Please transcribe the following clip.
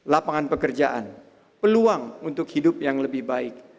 lapangan pekerjaan peluang untuk hidup yang lebih baik